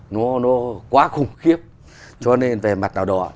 nó quá khủng khiếp cho nên về mặt tàu đỏ